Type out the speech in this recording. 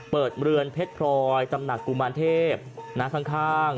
เปิดเมื่อเรือนเพชรพลอยตำหนักกุมารเทพฯข้าง